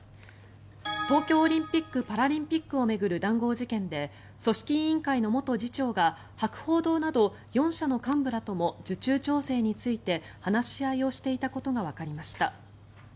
東京オリンピック・パラリンピックを巡る談合事件で組織委員会の元次長が博報堂など４社の幹部らとも受注調整について話し合いをしていたことがわかりました。